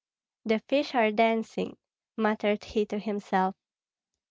"The fish are dancing," muttered he to himself.